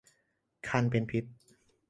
ครรภ์เป็นพิษ